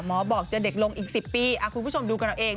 บอกจะเด็กลงอีก๑๐ปีคุณผู้ชมดูกันเอาเอง